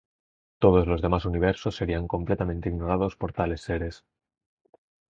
Todos los demás universos serían completamente ignorados por tales seres.